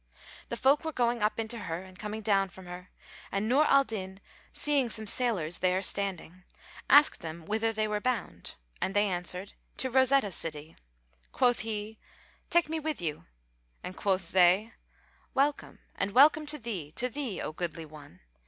The folk were going up into her and coming down from her, and Nur al Din, seeing some sailors there standing, asked them whither they were bound, and they answered, "To Rosetta city." Quoth he, "Take me with you;" and quoth they, "Well come, and welcome to thee, to thee, O goodly one!"